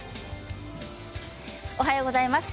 おはようございます。